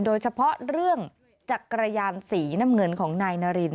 โดยเฉพาะเรื่องจักรยานสีน้ำเงินของนายนาริน